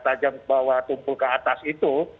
tajam bawah tumpul ke atas itu